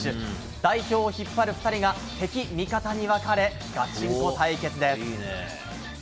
代表を引っ張る２人が敵、味方に分かれガチンコ対決です。